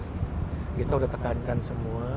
kita udah tekankan semua